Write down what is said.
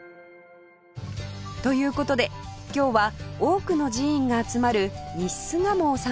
という事で今日は多くの寺院が集まる西巣鴨を散歩します